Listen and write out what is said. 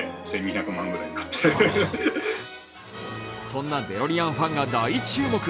そんなデロリアンファンが大注目。